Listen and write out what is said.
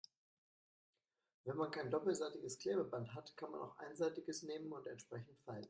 Wenn man kein doppelseitiges Klebeband hat, kann man auch einseitiges nehmen und entsprechend falten.